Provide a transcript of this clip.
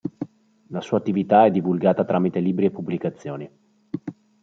La sua attività è divulgata tramite libri e pubblicazioni.